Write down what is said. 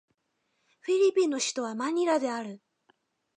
フィリピンの首都はマニラである